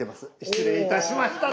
失礼いたしました。